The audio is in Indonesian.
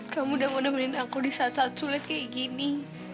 kamu udah mau nemenin aku di saat saat sulit kayak gini